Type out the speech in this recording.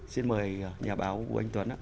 xin mời nhà báo của anh tuấn